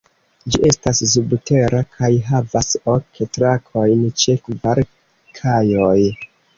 Ĝi estas subtera kaj havas ok trakojn ĉe kvar kajoj.